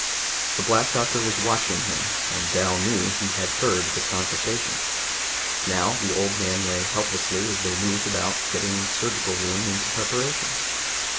The Black Doctor was watching him, and Dal knew he had heard the conversation. Now the old man lay helplessly as they moved about getting the surgical room into preparation.